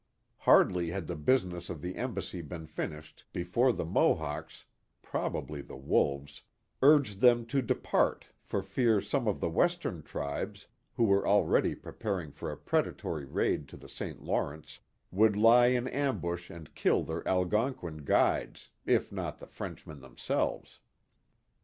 Hardly had the business of the embassy been finished be fore the Mohawks (probably the Wolves), urged them to de part for fear some of the western tribes, who were already preparing for a predatory raid to the St. Lawrence, would lie in ambush and kill their Algonquin guides, if not the French men themselves.